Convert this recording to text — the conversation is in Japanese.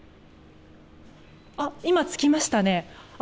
あ、今つきましたね。